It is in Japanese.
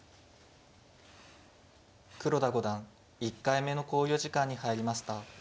黒田五段１回目の考慮時間に入りました。